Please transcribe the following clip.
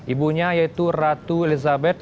ibunya yaitu ratu elizabeth